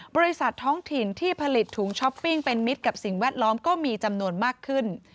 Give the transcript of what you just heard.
บริษัทท้องถิ่นที่ผลิตถุงช้อปปิ้งเป็นมิตรกับสิ่งแวดล้อมก็มีจำนวนมากขึ้น